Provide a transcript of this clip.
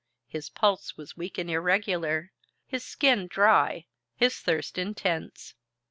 His pulse was weak and irregular, his skin dry, his thirst intense.